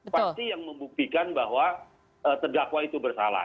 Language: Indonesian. pasti yang membuktikan bahwa terdakwa itu bersalah